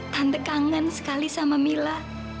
tanda kangen sekali sama mila